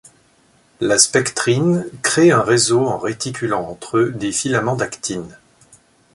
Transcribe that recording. La spectrine crée un réseau en réticulant entre eux des filaments d'actine.